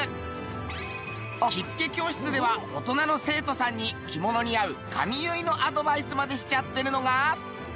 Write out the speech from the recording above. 着付け教室では大人の生徒さんに着物に合う髪結のアドバイスまでしちゃってるのが。